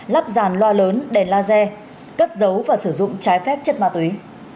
lắp dàn loa lớn đèn laser cất dấu và sử dụng trái phép chất ma túy